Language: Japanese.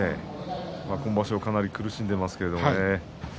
今場所はかなり苦しんでいますけれどね。